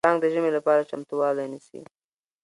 پړانګ د ژمي لپاره چمتووالی نیسي.